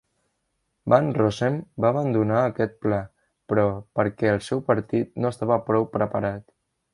Van Rossem va abandonar aquest pla, però, perquè el seu partit no estava prou preparat.